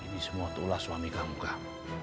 ini semua tualah suami kamu kak